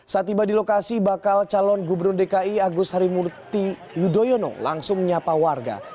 saat tiba di lokasi bakal calon gubernur dki agus harimurti yudhoyono langsung menyapa warga